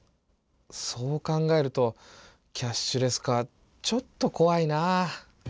そう考えるとキャッシュレス化ちょっとこわいなぁ。